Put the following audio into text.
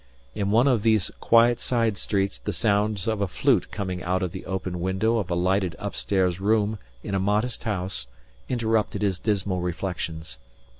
In one of these quiet side streets the sounds of a flute coming out of the open window of a lighted upstairs room in a modest house interrupted his dismal reflections.